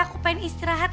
aku pengen istirahat